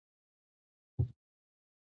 ایا تاسي کله په غره کې مېله کړې ده؟